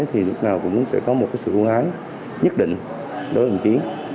thì lúc nào cũng sẽ có một sự ưu ái nhất định đối với đồng chí